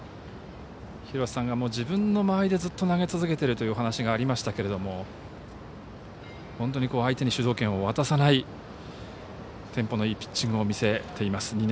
廣瀬さんが自分の間合いでずっと投げ続けているというお話がありましたけども本当に相手に主導権を渡さないテンポのいいピッチングを見せています